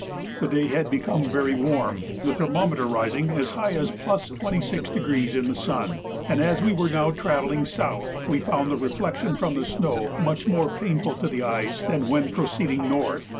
The day had become very warm, the thermometer rising as high as +26° in the sun, and as we were now travelling south, we found the reflection from the snow much more painful to the eyes than when proceeding north.